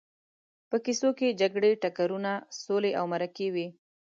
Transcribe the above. په کیسو کې جګړې، ټکرونه، سولې او مرکې وي.